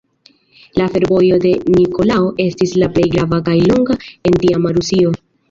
La fervojo de Nikolao estis la plej grava kaj longa en tiama Rusio.